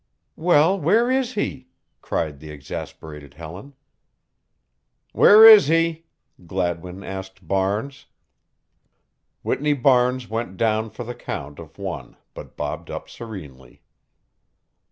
"Well, where is he?" cried the exasperated Helen. "Where is he?" Gladwin asked Barnes. Whitney Barnes went down for the count of one but bobbed up serenely.